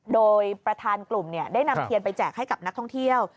โดยประธานกลุ่มได้นำเทียนไปแจกให้กับนักท่องเที่ยว